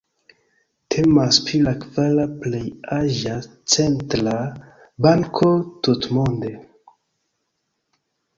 Temas pri la kvara plej aĝa centra banko tutmonde.